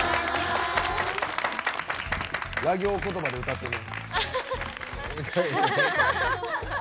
ラ行言葉で歌ってね。